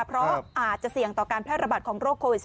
เพราะอาจจะเสี่ยงต่อการแพร่ระบาดของโรคโควิด๑๙